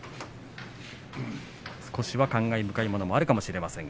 少しは感慨深いものがあるかもしれません。